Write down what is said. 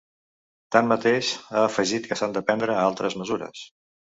Tanmateix, ha afegit que s’han de prendre altres mesures.